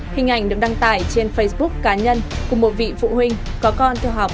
hình ảnh được đăng tải trên facebook cá nhân của một vị phụ huynh có con theo học